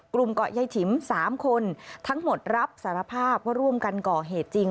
กลุ่มเกาะยายฉิม๓คนทั้งหมดรับสารภาพว่าร่วมกันก่อเหตุจริง